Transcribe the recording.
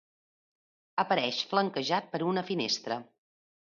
Apareix flanquejat per una finestra.